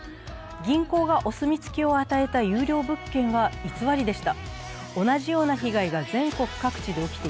銀行がお墨付きを与えた優良物件は偽りでした。